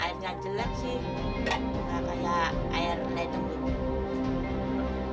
airnya jelek sih kayak air ledeng gitu